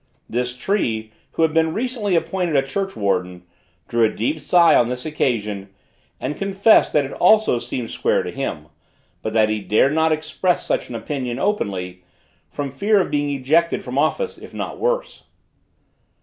This tree, who had been recently appointed a church warden, drew a deep sigh on this occasion, and confessed that it also seemed square to him, but that he dared not express such an opinion, openly, from fear of being ejected from office, if not worse.